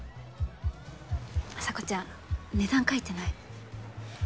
麻子ちゃん値段書いてない。